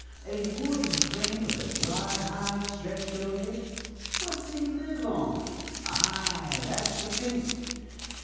A wooden frame with a dry hide stretched over it. What's he live on? Ay! that's the pint!